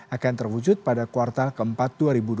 akan terwujud pada kuartal keempat dua ribu dua puluh